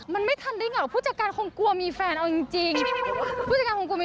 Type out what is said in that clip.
มันไม่ทันได้เหงอกว่าผู้จักรกันคงกลัวมีแฟนเอาจริง